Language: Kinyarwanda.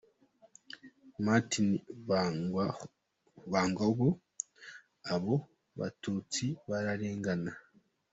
Martin Bangamwabo : Abo batutsi bararengana.